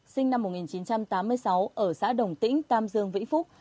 phùng văn quân sinh năm một nghìn chín trăm tám mươi sáu ở xã đồng tĩnh tam dương vĩnh phúc